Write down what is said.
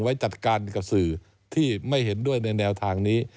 ไว้จัดการกับสื่อที่ไม่เห็นด้วยในแนวทางนี้